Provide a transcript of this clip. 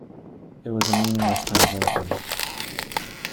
It was a meaningless translation.